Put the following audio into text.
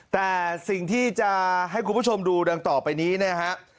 แต่สิ่งที่จะให้คุณผู้ชมดูดังต่อไปนี้นะฮะ